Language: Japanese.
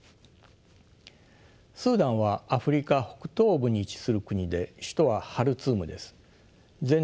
スーダンはアフリカ北東部に位置する国で首都はハルツームです。